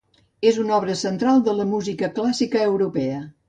És una obra central de la música clàssica europea.